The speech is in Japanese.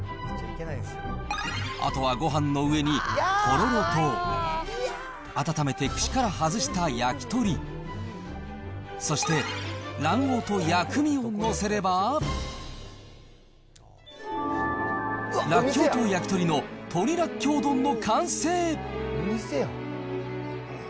あとはごはんの上にとろろと、温めて串から外した焼き鳥、そして、卵黄と薬味を載せれば、らっきょうと焼き鳥の鳥らっきょう丼の完成。